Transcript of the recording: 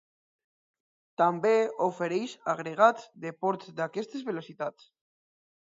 També ofereix agregats de ports d’aquestes velocitats.